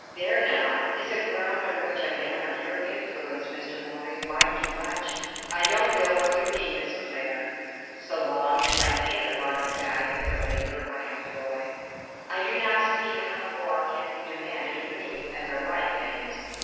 There, now, is a ground on which a man of your influence, Mr. Morley, might do much." "I don't know what you mean, Miss Clare. So long as I pay the market value for the labor I employ, I do not see how more can be demanded of me as a right, that is."